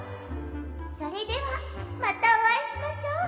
それではまたおあいしましょう。